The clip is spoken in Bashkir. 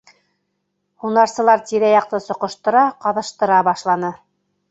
Һунарсылар тирә-яҡты соҡоштора, ҡаҙыштыра башланы.